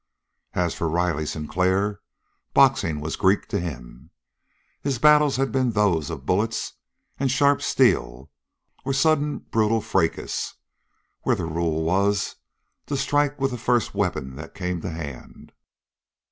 As for Riley Sinclair, boxing was Greek to him. His battles had been those of bullets and sharp steel, or sudden, brutal fracas, where the rule was to strike with the first weapon that came to hand.